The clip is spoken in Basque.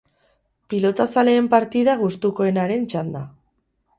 Pilotazaleen partida gustukoenaren txanda.